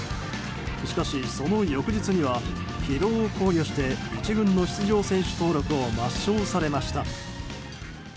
しかし、その翌日には疲労を考慮して１軍の出場選手登録を抹消されました。